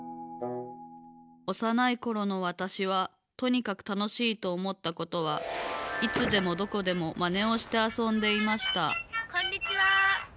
おさないころのわたしはとにかくたのしいとおもったことはいつでもどこでもまねをしてあそんでいましたこんにちは。